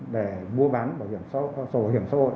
để mua bán bảo hiểm xã hội